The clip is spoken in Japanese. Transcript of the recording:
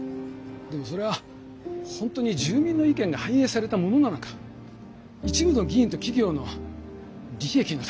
でもそれは本当に住民の意見が反映されたものなのか一部の議員と企業の利益のためになってないか。